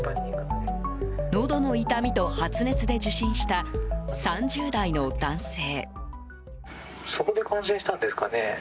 のどの痛みと発熱で受診した３０代の男性。